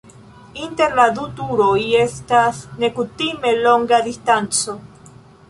Inter la du turoj estas nekutime longa distanco.